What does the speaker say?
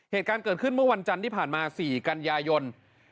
เหตุการณ์เกิดขึ้นที่มีในวันวันจันทร์ที่มีชื่อดลม๔กัญญายน